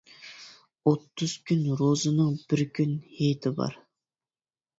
ئوتتۇز كۈن روزىنىڭ بىر كۈن ھېيتى بار.